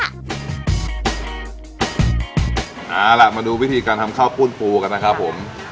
เอาล่ะมาดูวิธีการทำข้าวปุ้นปูกันนะครับผม